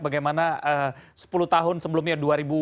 bagaimana sepuluh tahun sebelumnya